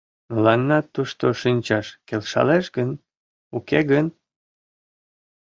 Мыланна тушто шинчаш келшалеш гын, уке гын?